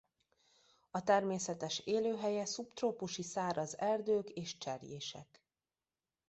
A természetes élőhelye szubtrópusi száraz erdők és cserjések.